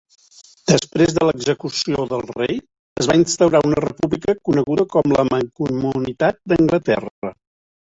Després de l'execució del rei, es va instaurar una república coneguda com la Mancomunitat d'Anglaterra.